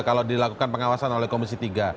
kalau dilakukan pengawasan oleh komisi tiga